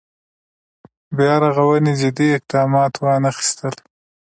بیا رغونې جدي اقدامات وانخېستل.